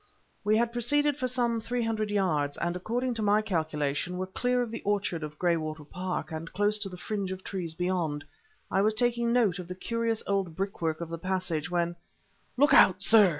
We had proceeded for some three hundred yards, and, according to my calculation, were clear of the orchard of Graywater Park and close to the fringe of trees beyond; I was taking note of the curious old brickwork of the passage, when "Look out, sir!"